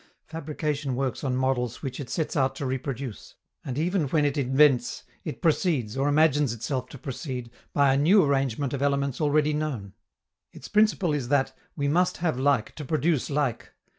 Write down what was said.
Fabrication works on models which it sets out to reproduce; and even when it invents, it proceeds, or imagines itself to proceed, by a new arrangement of elements already known. Its principle is that "we must have like to produce like."